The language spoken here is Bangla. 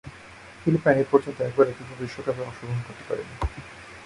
ফিলিপাইন এপর্যন্ত একবারও ফিফা বিশ্বকাপে অংশগ্রহণ করতে পারেনি।